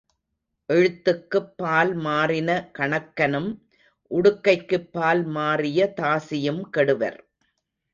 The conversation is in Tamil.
எழுத்துக்குப் பால் மாறின கணக்கனும் உடுக்கைக்குப் பால் மாறிய தாசியும் கெடுவர்.